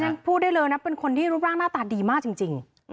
พูดได้เลยนะเป็นคนที่รูปร่างหน้าตาดีมากจริง